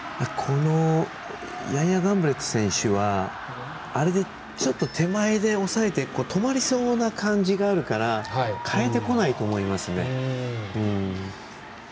ヤンヤ・ガンブレット選手はあれで、ちょっと手前で止まりそうな感じがあるからかえてこないと思いますね。